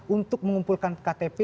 untuk mengumpulkan ktp